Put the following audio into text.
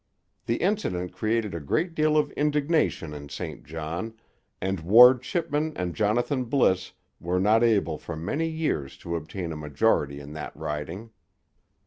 The incident created a great deal of indignation in St John, and Ward Chipman and Jonathan Bliss were not able for many years to obtain a majority in that riding.